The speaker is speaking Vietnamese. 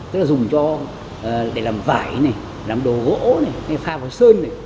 tức là dùng cho để làm vải này làm đồ gỗ này pha vào sơn này